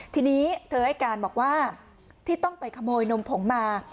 ทีนี้เธอให้การบอกว่าที่ต้องไปขโมยนมผงมา